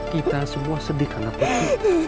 kita semua sedih karena pasti